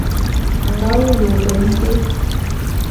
A nga wulu ôbe nté.